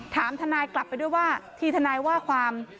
ถามทนายกลับไปด้วยว่าที่ทนายว่าความ